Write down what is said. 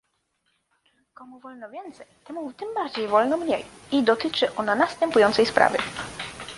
komu wolno więcej, temu tym bardziej wolno mniej, i dotyczy ona następującej sprawy